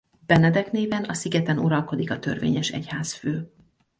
Benedek néven a szigeten uralkodik a törvényes egyházfő.